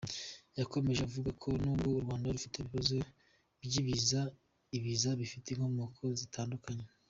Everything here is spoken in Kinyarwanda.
Yakomeje avuga ko nubwo u Rwanda rufite ibibazo by’ibiza, Ibiza bifite inkomoko zitandukanye.